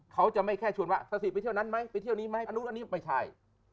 เขาจะไม่แค่ชวนว่าซาสิไปเที่ยวนั้นไหมไปเที่ยวนี้ไหมอันนู้นอันนี้ไม่ใช่